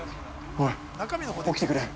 おいっ、起きてくれ。